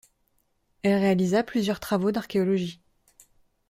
Elle réalisa plusieurs travaux d'archéologie.